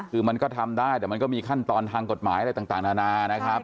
คือมันก็ทำได้แต่มันก็มีขั้นตอนทางกฎหมายอะไรต่างนานานะครับ